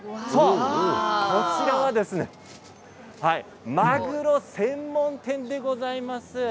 こちらはマグロの専門店でございます。